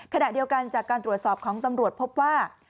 ขณะเดียวกันจากการตรวจสอบของตำรวจพบว่า